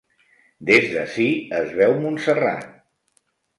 Des d'ací es veu Montserrat.